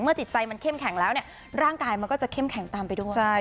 จิตใจมันเข้มแข็งแล้วเนี่ยร่างกายมันก็จะเข้มแข็งตามไปด้วย